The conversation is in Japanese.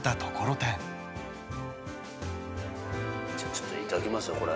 じゃあちょっと頂きますよこれ。